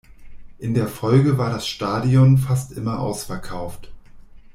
In der Folge war das Stadion fast immer ausverkauft.